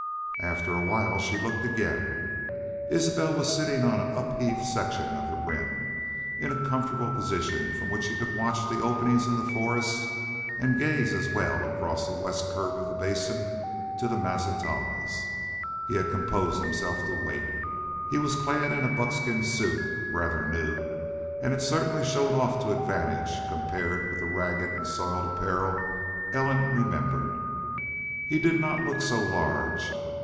After a while she looked again. Isbel was sitting on an upheaved section of the Rim, in a comfortable position from which he could watch the openings in the forest and gaze as well across the west curve of the Basin to the Mazatzals. He had composed himself to wait. He was clad in a buckskin suit, rather new, and it certainly showed off to advantage, compared with the ragged and soiled apparel Ellen remembered. He did not look so large.